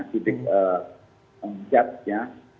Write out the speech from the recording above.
tentunya ada titiknya